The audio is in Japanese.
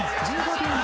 １５秒前。